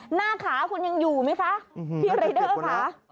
หน้าขาคุณยังอยู่ไหมคะพี่รายเดอร์ค่ะ